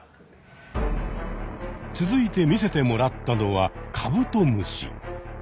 続いて見せてもらったのはカブトムシ。